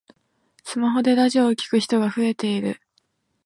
スマホでラジオを聞く人が増えている